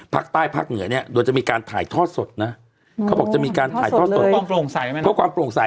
ภาคใต้ภาคเหนือเนี่ยโดยจะมีการถ่ายทอดสดนะเขาบอกความโปร่งสาย